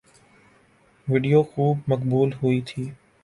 video خوب مقبول ہوئی تھی